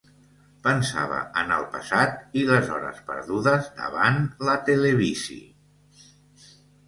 Pensava en el passat i les hores perdudes davant la televisi